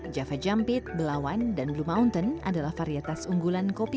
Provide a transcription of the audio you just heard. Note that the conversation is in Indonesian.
java jumpit belawan dan blue mountain adalah varietas unggulan kopi